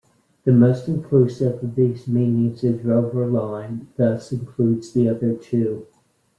The most inclusive of these meanings of Dovre Line thus includes the other two.